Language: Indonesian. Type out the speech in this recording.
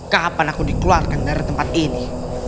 kapan aku dikeluarkan dari tempat ini